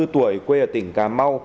sáu mươi bốn tuổi quê ở tỉnh cà mau